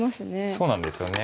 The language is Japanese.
そうなんですよね。